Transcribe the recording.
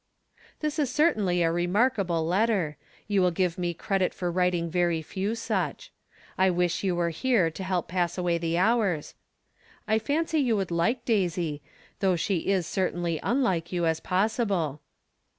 This is certainly a remarkable letter. You will give me credit for writing very few such. I wish you were here to help pass away the hours. I fancy you would like Daisy, though she is cer tainly unlike you as possible.